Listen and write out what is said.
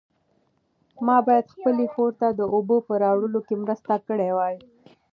ما باید خپلې خور ته د اوبو په راوړلو کې مرسته کړې وای.